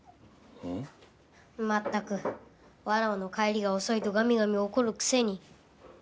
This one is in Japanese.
まったくわらわの帰りが遅いとガミガミ怒るくせに。